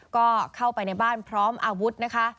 ก็เข้าไปในบ้านพร้อมอาวุธนะคะ